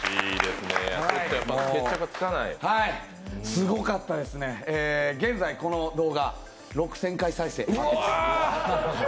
すごかったですね、現在、この動画、６０００回再生。